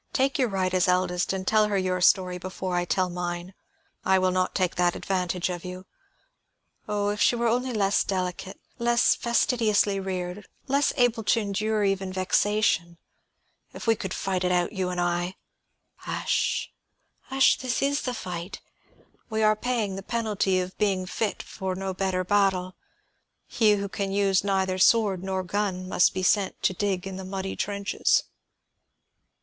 "Take your right as eldest and tell her your story before I tell mine. I will not take that advantage of you. Oh, if she were only less delicate, less fastidiously reared, less unable to endure even vexation! If we could fight it out, you and I!" "Hush, hush; this is the fight. We are paying the penalty of being fit for no better battle; he who can use neither sword nor gun must be sent to dig in the muddy trenches."